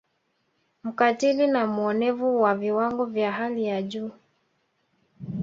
Mkatili na muonevu wa viwango vya hali ya juu